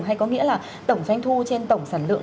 hay có nghĩa là tổng doanh thu trên tổng sản lượng